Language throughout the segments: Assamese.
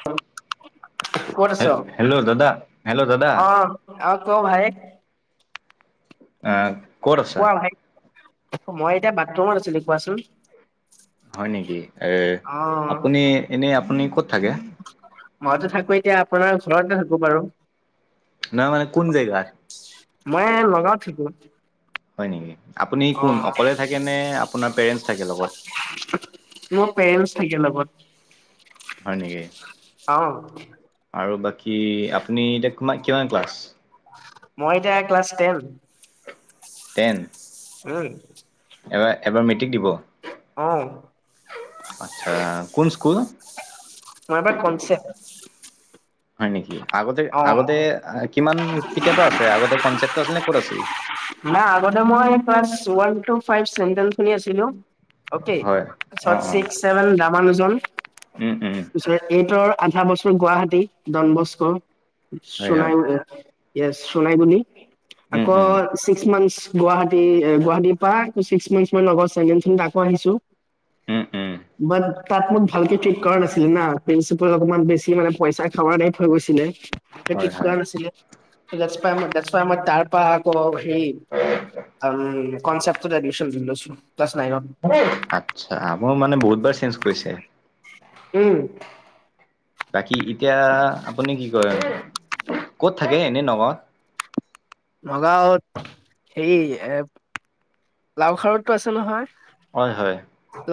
কত কত আচ? হে হেল্ল' দাদা হেল্ল' দাদা অ আৰু ক ভাই? আ ক'ত আছা? অ মই এতিয়া বাথৰুমত আছিলো কোৱাচোন? হয় নেকি? এ অ', আপুনি এনে আপুনি ক'ত থাকে? মইতো থাকো এতিয়া আপোনাৰ ঘৰতে থাকো বাৰু। ন মানে কোন জেগাত? মই নগাঁওত থাকো। হয় নেকি? আপুনি কোন অ', অকলে থাকে নে আপোনাৰ পেৰেণ্টছ থাকে লগত? মোৰ পেৰেন্টচ থাকে লগত। হয় নিকি? অ। আৰু বাকী আপুনি এতিয়া কিমান কিমান ক্লাছ? মই এতিয়া ক্লাছ টেন। টেন? উম। এইবাৰ এইবাৰ মেট্ৰিক দিব? অ। আচ্ছা কোন স্কুল? নলবাৰী কনচেপট। হয় নেকি? আগতে অ', আগতে কিমান কেতিয়াৰ পৰা আছে আগতে কনচেপট আছিল নে ক'ত আছিল? নাই আগতে মই class one to five central খুনি আছিলো। অকে, হয় চ ছিক্স, ছেভেন ৰামানুজন উম উম। পিছৰ এইটৰ আধা বছৰ গুৱাহাটী ডনবস্ক হয় হয় চোনাই মানে য়েছ চোনাই বুলি উম আকৌ উম। ছিক্স মান্থচ গুৱাহাটী এ গুৱাহাটীৰ পৰা ছিক্স মান্থচমান লগত ছেকেনড ছেম আকৌ আহিছো। উম উম। বাট তাত মোক ভালকে ঠিক কৰা নাছিলে না, প্ৰিন্সিপাল অকমান বেছি মানে পইচা খাৱা দে থৈ গৈছিলে। এ পিক হয় কোৱা হয় নাছিলে, গছপাই মই গছপাই [inaudible] আমাৰ তাৰপা আকৌ এই আম কনচেপত এডমিশন লৈছো ক্লাছ নাইনত। আচ্ছা, মোৰ মানে বহুত বাৰ চেঞ্জ কৰিছে। উম। বাকী এতিয়া আপুনি কি কয়? ক'ত থাকে এনে নগাঁৱ? নগাঁৱত সেই এ লাও খাৰতো আছে নহয়? হয় হয়।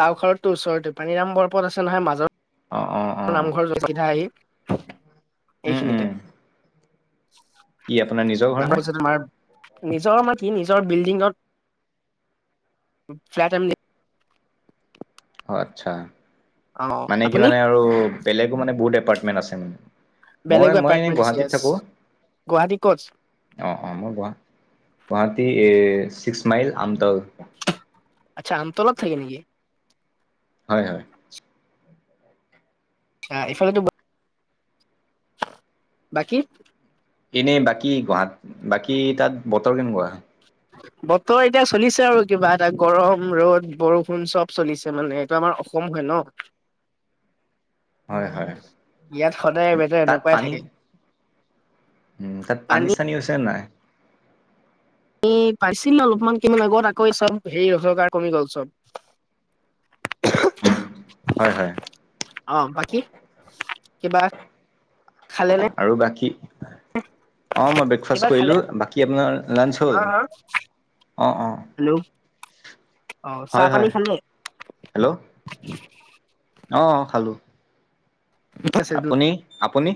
লাও খাৰতটো ওচৰতে, পানীৰাম বৰপথ আছে নহয় মাজত। অ অ অ। নামঘৰৰ চিধা আহি উম উম এইখিনিতে। কি আপোনাৰ নিজৰ ঘৰ নে নাপছে [inaudible] তোমাৰ নিজৰ মাটি নিজৰ বিল্ডিঙত ফ্লেট আম অ আচ্ছা অ মানে কি আপুনি মানে আৰু বেলেগো মানে বহুত এপাৰ্টমেণ্ট আছে মানে? মই বেলেগ মই এনেই এপাৰ্টমেন্ট গুৱাহাটীত য়েছ থাকো। গুৱাহাটী ক'ত অ অ মোৰ গুৱা -গুৱাহাটী এ চিক্স মাইল আমতল। আচ্ছা আমতলত থাকে নেকি? হয় হয়। এইফালেতো বাকী এনেই বাকী গুৱাহাট বাকী তাত বতৰ কেনেকুৱা? [unintelligible] বতৰ এতিয়া চলিছে আৰু কিবা এটা গৰম ৰ'দ বৰষুণ চব চলিছে মানে এইটো আমাৰ অসম হয় ন। হয় হয় [unintelligible] ইয়াত সদায় ৱেধাৰ তাত এনেকুৱাই পানী থাকে। উম তাত পানী চানী হৈছনে নাই? এই পাইছিলো অলপমান কিমান লগত আকৌ চব হেৰি ৰ কমি গ'ল চব। [unintelligible] হয় হয়। অ বাকী কিবা খালেনে? আৰু বাকী অ মই কিবা ব্ৰেকফাষ্ট খালে কৰিলোঁ, বাকী আপোনাৰ লাঞ্চ হা হ'ল? হা অ অ। হেল্ল' অ চাহ পানী খালে? হেল্ল' অঁ খালোঁ। ঠিক আছে আপুনি আপুনি?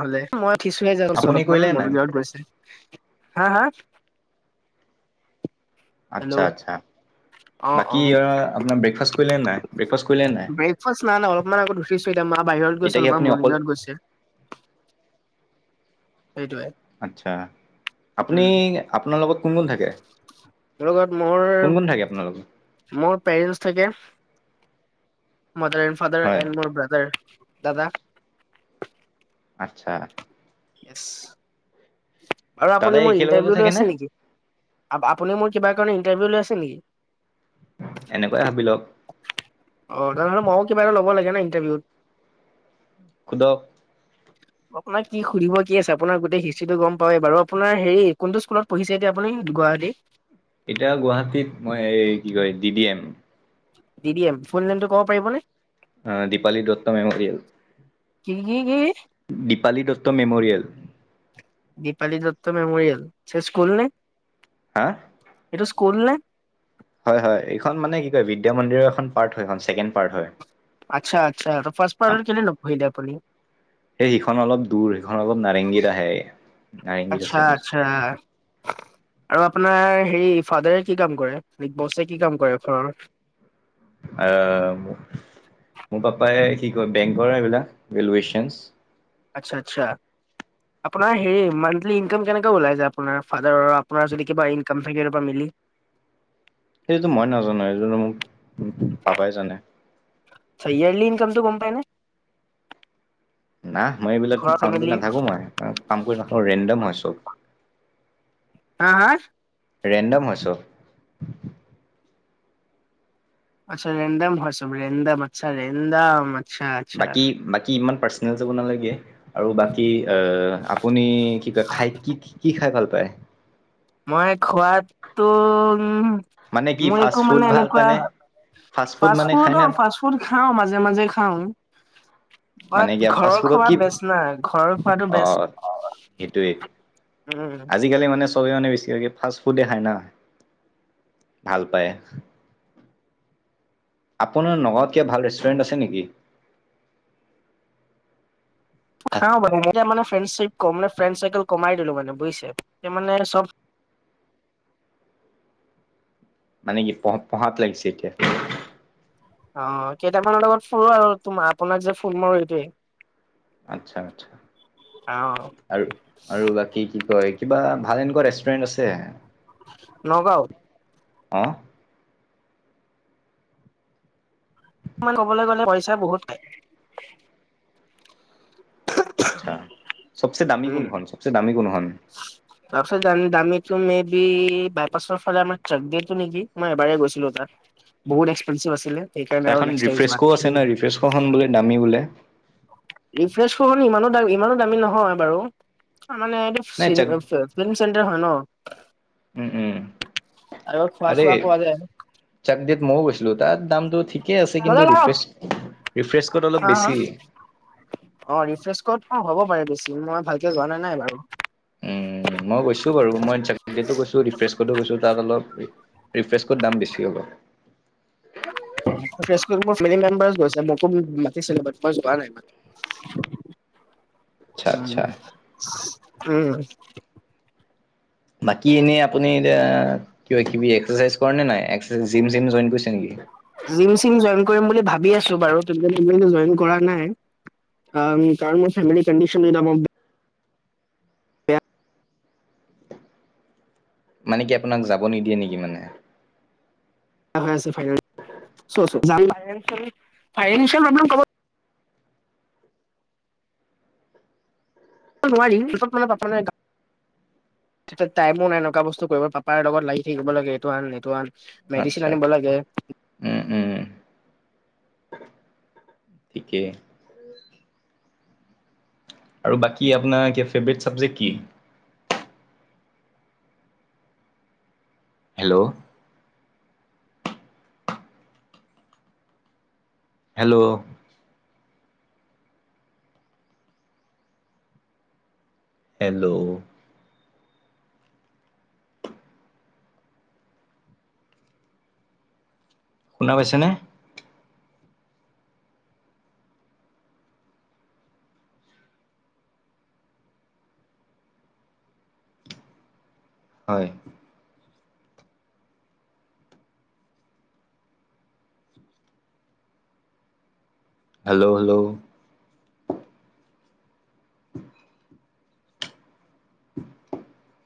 হলে মই উঠিছোহে জংচনত আপুনি অলপমান কৰিলে নাই মন্দিৰত গৈছে। হা হা! আচ্ছা হেল্ল' আচ্ছা। অ', বাকী অ', আপোনাৰ ব্ৰেকফাষ্ট কৰিলে নাই ব্ৰেকফাষ্ট কৰিলে নাই? ব্ৰেকফাষ্ট নাই নাই অলপমান আগত মা বাহিৰত এতিয়া গৈছে কি আপুনি অলপমান অকল মৰ্ণিঙত গৈছে। সেইটোৱে। আচ্ছা আপুনি উম, আপোনাৰ লগত কোন কোন থাকে? মোৰ লগত মোৰ কোন কোন থাকে আপোনালোকৰ? মোৰ পেৰেণ্টছ থাকে, মাডাৰ এণ্ড ফাদাৰ হয় এণ্ড মোৰ ব্ৰাদাৰ। দাদা আচ্ছা। য়েছ আৰু আপুনি দাদাই মোৰ একেলগতে ইণ্টাৰভিউ থাকেনে লৈছে নেকি? আপুনি মোৰ কিবা কাৰণে ইণ্টাৰভিউ লৈ আছে নেকি? এনেকুৱাই ভাবি লওক। অ তেনেহ'লে মইও কিবা এটা ল'ব লাগে ন ইণ্টাৰভিউত। শুধক। আপোনাক কি সুধিব কি আছে আপোনাৰ গোটেই হিষ্ট্ৰীটো গম পাৱেই বাৰু আপোনাৰ হেৰি কোনটো স্কুলত পঢ়িছে এতিয়া আপুনি গুৱাহাটী? এতিয়া গুৱাহাটীত মই এই কি কয় D D M. D D M, full নেমটো ক'ব পাৰিব নে? অ দীপালী দত্ত মেম'ৰিয়েল। কি কি কি? দীপালী দত্ত মেম'ৰিয়েল। দীপালী দত্ত মেমৰিয়েল, আচ্ছা স্কুল নে? হা! [inaudible] এইটো স্কুল নে? [inaudible] হয়-হয়। এইখন মানে কি কয় বিদ্যা মন্দিৰৰ এখন পাৰ্ট হয় [unintelligible] ছেকেণ্ড পাৰ্ট হয়। আচ্ছা-আচ্ছা। ফাৰ্ষাৰ আম- অৰ্ডাৰ কেলে নকৰিলে আপুনি? [inaudible] সেই সিখন অলপ দূৰ, সিখন অলপ নাৰেংগীত আহে। নাৰেংগীত আছে সেইখন। [inaudible] হ [unintelligible] আৰু আপোনাৰ হেৰি ফাদাৰে কি কাম কৰে? [inaudible] বছে কি কাম কৰে ঘৰৰ? আহ [unintelligible] মোৰ পাপাই কি কয় বেংকৰ এইবিলাক ভেলুৱেচন। আচ্ছা-আচ্ছা! [inaudible] আপোনাৰ হে মানঠলি ইনকাম কেনেক ওলাই যায়। আপোনাৰ ফাৰৰ আপোনাৰ যদি কিবা ইনকাম থাকে বা মিলি? [inaudible] [inaudible] সেইটোতটো মই নাজানো এই মোক পাপাই জানে। [inaudible] চায়ালি [unintelligible] ইনকামটো গম পাই নে? না মই এইবিলাক ঘৰৰ কাউণ্ট কৰি ফেমিলিৰ? নাথাকো মই কাম কৰি নাথাকো ৰেণ্ডম হয় চব। [inaudible] হা-হা! [inaudible] ৰেণ্ডম হৈছোঁ। [unintelligible] আচ্ছা! ৰেণ্ডম হয় চব, ৰেডম আচ্ছা ৰেডম [inaudible] বাকী-বাকী ইমান পাৰ্চনেল যাব নালাগে আৰু বা [inaudible] কি [unintelligible] আপুনি কি কয় খাই কি কি খাই ভাল পায়? [inaudible] মই খোৱটো উম মানে কি [unintelligible] মই ফাষ্ট একো ফুড মানে ভাল এনেকুৱা পায়নে ফাষ্ট ফুড অ ফাষ্ট ফুড [unintelligible] ফাৰ্ষ্ট ফুড খাওঁ, মাজে-মাজে খাওঁ। [inaudible] মানে বাট কি ফাষ্ট ঘৰৰ ফুডত খোৱা কি বেচ না। ঘৰৰ খোৱাতটো বেচ। [inaudible] সেইটোৱেই। আজিকালি মানে [unintelligible] চবে মানে বেছি ভাগে ফাষ্ট ফুডে খাই ন, ভাল পায়। [inaudible] আপোনাৰ নগৰত কিবা ভাল ৰেষ্টুৰেণ্ট আছে নেকি? [unintelligible] খাওঁ মানে এতিয়া মানে ফ্ৰেণ্ড চিপ কম মানছ ফ্ৰেণ্ড চাইেল কমাই দিলো মানে বুজিছে। এতিয়া মানে চব [inaudible] মানে কি পঢ় পঢ়াত লাগিছে এতিয়া? [inaudible] অঁ! কেইটামানৰ লগত ফুৰো আৰু তোম আপোনাক যে ফোন মাৰো এইটোৱেই। [inaudible] আচ্ছা! [unintelligible] অ' আৰু-আৰু বাকী কি কি কয় কিবা ভাল এনেকুৱা ৰেষ্টুৰেণ্ট আছে? [inaudible] নগাঁও? [inaudible] অঁ! [inaudible] [inaudible] মান ক'বলৈ গ'লে পইচা বহুত খাই। [unintelligible] আচ্ছা! চবচে দামী কোনোখন? চবচে দামী কোনোখন? [inaudible] চবচে দামি [unintelligible] মে বি বাইপাছৰ ফালে আমাৰ [inaudible] নেকি মই এবাৰ গৈছিলো তাত। বহুত এক্সপেনচিভ আছিলে সেইকাৰণে আৰু নেক্সট টাইম যোৱা নাই। [inaudible] সেইখন বোলে দামি বোলে? [inaudible] ৰিফ্ৰেচখন ইমানো-ইমানো দামী নহয় বাৰু মানে এইটো নাই জাগ [unintelligible] ফিল্ম চেণ্টাৰ হয় ন। [inaudible] উম-উম! [unintelligible] আৰু খোৱা আৰে চোৱা পোৱা যায়। চাকডট মইও কৈছিলো তাত দামটো ঠিকে আছে কিন্তু ৰিফ্ৰেছ [unintelligible] [inaudible] অলপ হা-হা! বেছি ৰিফ্ৰেছখধ হ'ব পাৰে বেছি মই ভাল [inaudible] কিয় যোৱা নাই ন এবাৰু। উম মই গৈছো বাৰু মই [unintelligible] গৈছো ৰিফ্ৰেছতো গৈছোঁ তাত অলপ ৰিফ্ৰেছ কত দাম বেছি হ'ব। ফ্ৰেছকত মিলি মেম্বাৰ গৈছে মোকো ম মাতিছিলে মই যোৱা নাই আচ্ছা মা উম আচ্ছা হুম বাকী এনেই আপুনি এতিয়া কিবা কিবি একচাৰচাইজ কৰেনে নাই? একচাৰচাইজ জিম চিম জইন কৰিছে নেকি? জিম চিম জইন কৰিম বুলি ভাবি আছো বাৰু কিন্তু জিম জইন কৰা নাই। আঁ কাৰণ মোৰ ফেলি কণ্ডিশন [unintelligible] মানে কি আপোনাক যাব নিদিয়ে নেকি মানে আৰু হৈ আছে ফ ফাইনেল চ চ [unintelligible] নোৱাৰিম পিছত মানে পাপালে যায়। তে টাইমো নাই একুৱা বস্তু কৰিব পাপাৰ লগত লাগি থাকিব লাগে। ইটো আন এইটো আন মেডিচিন আচ্ছা আনিব আচ্ছা। লাগে উম উম, ঠিকেই। আৰু বাকী আপোনাৰ কিবা ফেভৰেট ছাবজেক্ট কি? হেল্ল'ও হেল্ল'ও হেল্ল'ও শুনা পাইছানে? হয়। হেল্ল' হেল্লও উ [inaudible] [inaudible]